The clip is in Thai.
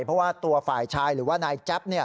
เพราะว่าตัวฝ่ายชายหรือว่านายแจ๊บ